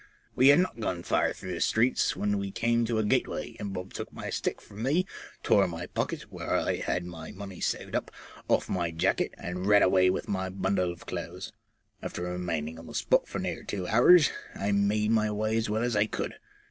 We had not gone far through the streets when we came to a gateway, and Bob took my stick from me, tore my pocket (where I had my money sewed up) ofif my jacket, and ran away with my bundle of clothes. After remaining on the spot for near two hours, I made my way as well as I could.